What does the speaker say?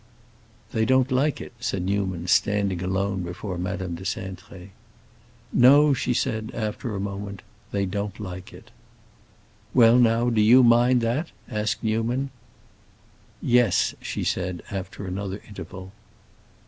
"They don't like it," said Newman, standing alone before Madame de Cintré. "No," she said, after a moment; "they don't like it." "Well, now, do you mind that?" asked Newman. "Yes!" she said, after another interval.